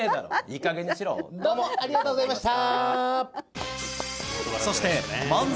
いい加減にしろどうもありがとうございました